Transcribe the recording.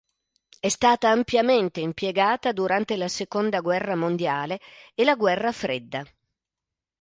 È stata ampiamente impiegata durante la seconda guerra mondiale e la guerra fredda.